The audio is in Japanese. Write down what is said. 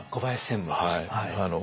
はい。